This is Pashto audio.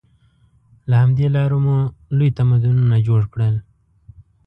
له همدې لارې مو لوی تمدنونه جوړ کړل.